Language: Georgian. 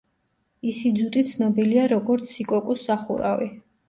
ისიძუტი ცნობილია როგორც „სიკოკუს სახურავი“.